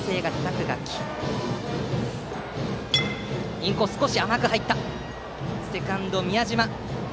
インコース、少し甘く入ったがセカンド、宮嶋さばきました。